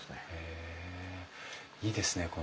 へえいいですね。